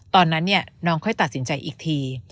เพราะฉะนั้นน้องค่อยตัดสินใจอีกที